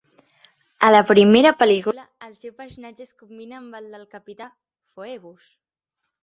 A la primera pel·lícula, el seu personatge es combina amb el del capità Phoebus.